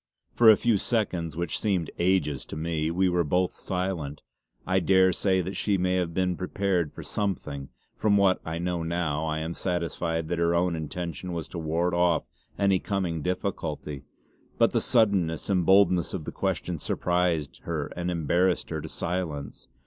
For a few seconds, which seemed ages to me, we were both silent. I daresay that she may have been prepared for something; from what I know now I am satisfied that her own intention was to ward off any coming difficulty. But the suddenness and boldness of the question surprised her and embarrassed her to silence.